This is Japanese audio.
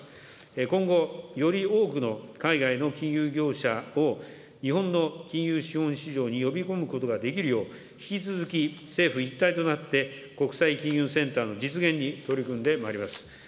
今後、より多くの海外の金融業者を日本の金融資本市場に呼び込むことができるよう、引き続き政府一体となって国際金融センターの実現に取り組んでまいります。